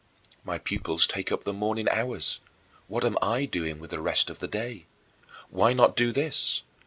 My pupils take up the morning hours; what am I doing with the rest of the day? Why not do this?